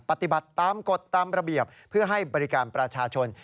ปฏิบัติตามกฎตามระเบียบเพื่อให้บริการประชาชน